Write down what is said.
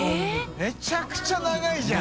めちゃくちゃ長いじゃん。